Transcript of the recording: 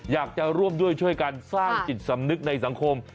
อยากจะร่วมด้วยช่วยกันสร้างจิตสำนึกในสังคม